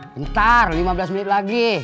bentar lima belas menit lagi